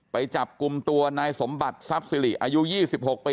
ไปจับกลุ่มตัวนายสมบัติทรัพย์สิริอายุ๒๖ปี